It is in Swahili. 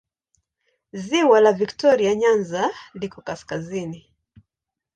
Ziwa la Viktoria Nyanza liko kaskazini.